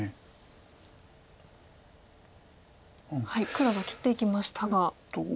黒が切っていきましたが。